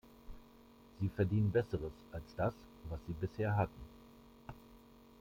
Sie verdienen Besseres als das, was sie bisher hatten.